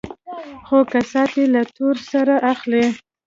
خو كسات يې له تور سرو اخلي.